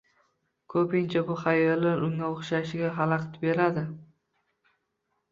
Ko‘pincha bu xayollar unga uxlashiga xalaqit beradi